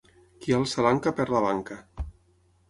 Qui alça l'anca, perd la banca.